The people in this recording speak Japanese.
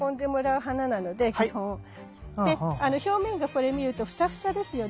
で表面がこれ見るとフサフサですよね。